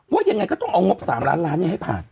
ว่ายังไงก็ต้องเอางบ๓ล้านล้านให้ผ่าน